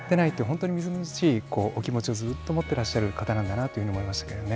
本当にみずみずしいお気持ちをずっと持っていらっしゃる方なんだなと思いましたね。